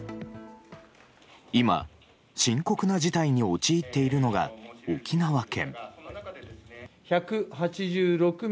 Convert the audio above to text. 今、深刻な事態に陥ってるのが沖縄県。